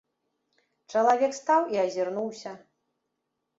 Чалавек стаў і азірнуўся.